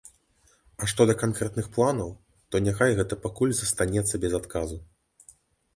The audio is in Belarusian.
А што да канкрэтных планаў, то няхай гэта пакуль застанецца без адказу.